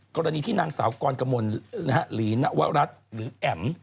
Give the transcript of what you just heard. กรณีที่นางสาวกรกรมนหรือหรือแอ๋ม